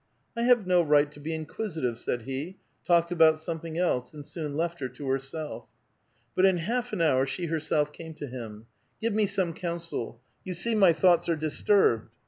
" I have no right to be inquisitive," said he ; talked about something else, and soon left her to herself. But in half an hour she herself came to him. "Give me some counsel; you see my thoughts are dis turbed."